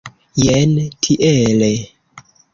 Jen tiele.